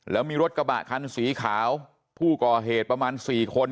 แล้วมีรถกระบะคันสีขาวผู้ก่อเหตุประมาณ๔คน